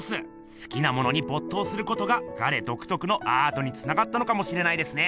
すきなものにぼっ頭することがガレどくとくのアートにつながったのかもしれないですね！